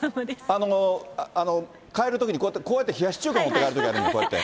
帰るときにこうやって、こうやって冷やし中華持って帰るときあるもん、こうやって。